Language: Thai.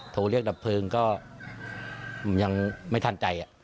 โทรเรียกดับเพลิงก็ยังไม่ทันใจ